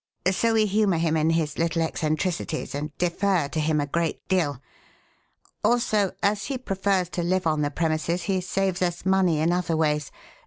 So we humour him in his little eccentricities and defer to him a great deal. Also, as he prefers to live on the premises, he saves us money in other ways.